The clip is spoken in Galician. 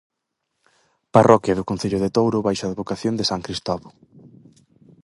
Parroquia do concello de Touro baixo a advocación de san Cristovo.